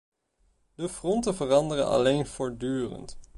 De fronten veranderen alleen voortdurend.